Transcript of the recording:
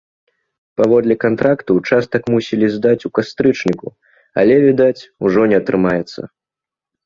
Паводле кантракту ўчастак мусілі здаць у кастрычніку, але, відаць, ужо не атрымаецца.